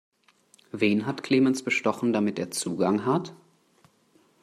Wen hat Clemens bestochen, damit er Zugang hat?